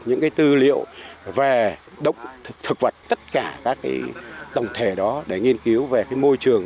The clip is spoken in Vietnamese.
những cái tư liệu về thực vật tất cả các tổng thể đó để nghiên cứu về cái môi trường